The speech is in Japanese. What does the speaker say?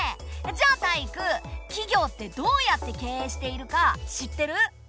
じゃあタイイク企業ってどうやって経営しているか知ってる？